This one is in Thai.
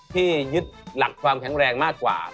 ที่ยึดหลักความแข็งแรงมากกว่า